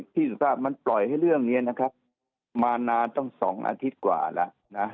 สุภาพมันปล่อยให้เรื่องนี้นะครับมานานตั้ง๒อาทิตย์กว่าแล้วนะ